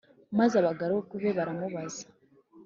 Maze abagaragu be baramubaza